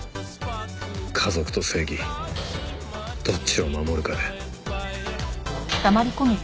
家族と正義どっちを守るかで。